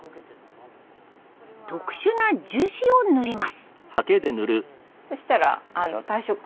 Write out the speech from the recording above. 特殊な樹脂を塗ります。